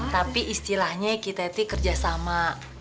tapi istilahnya kita kerjasama